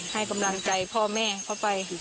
ให้กำลังใจพ่อแม่เขาไป